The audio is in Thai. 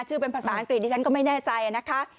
เป็นภาษาอังกฤษดิฉันก็ไม่แน่ใจนะคะ